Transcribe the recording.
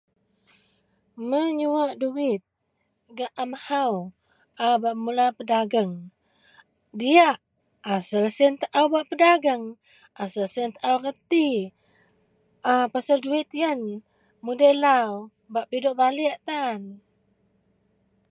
Menyuwak duwit gak a mahou a bak mula bedageng. Diyak siyen taou reti pasel duwit yen mudei lau bak pidok baliek tan.